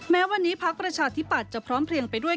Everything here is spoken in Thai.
แม้วันนี้พักประชาธิปัตย์จะพร้อมเพลียงไปด้วย